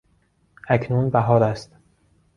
اکنون بهار است.